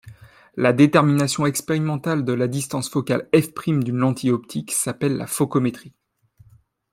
La détermination expérimentale de la distance focale f′ d'une lentille optique s’appelle la focométrie.